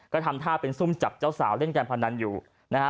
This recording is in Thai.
ก็ทำท่าเป็นซุ่มจับเจ้าสาวเล่นการพนันอยู่นะฮะ